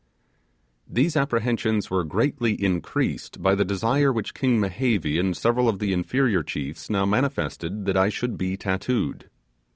These apprehensions were greatly increased by the desire which King Mehevi and several of the inferior chiefs now manifested that I should be tattooed.